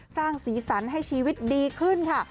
สร้างสีสันให้ชีวิตดีขึ้นค่ะ